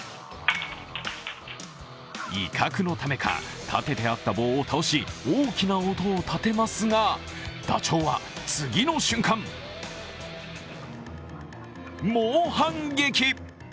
威嚇のためか、立ててあった棒を倒し大きな音を立てますがダチョウは次の瞬間、猛反撃。